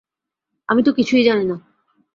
আমি তো কিছুই জানি না।